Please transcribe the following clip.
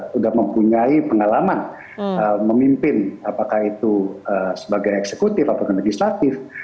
sudah mempunyai pengalaman memimpin apakah itu sebagai eksekutif atau legislatif